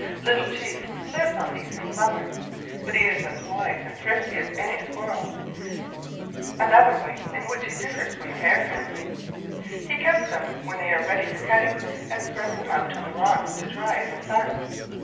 Little Chief lives on these in summer. But he is as wise and thrifty as any Squirrel, another way in which he differs from the Hare family. He cuts them when they are ready for cutting and spreads them out on the rocks to dry in the sun.